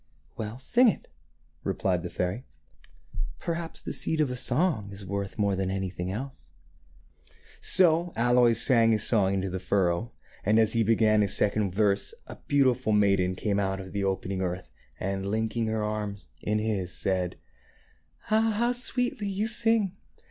" Well, sing it," replied the fairy. " Perhaps the seed of a song is worth more than anything else." So Aloys sang his song into the furrow ; and, as he began his second verse, a beautiful maiden came out of the opening 30 THE FAIRY SPINNING WHEEL earth, and, linking her arm in his, said :" Ah, how sweetly you sing